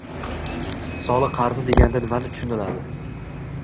Soliq qarzi deganda nima tushuniladi?